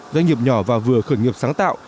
doanh nghiệp nhỏ và vừa khởi nghiệp sáng tạo